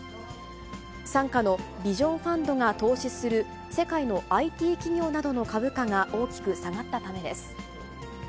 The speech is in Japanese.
傘下のビジョン・ファンドが投資する世界のＩＴ企業などの株価が大きく下がったためです。